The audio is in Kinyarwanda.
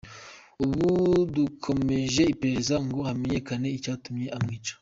Ubu dukomeje iperereza ngo hamenyekane icyatumye amwica.